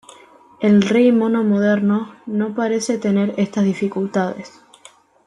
El Rey Mono moderno no parece tener estas dificultades.